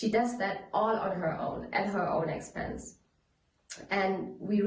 dia melakukan itu secara sendiri dengan uang sendiri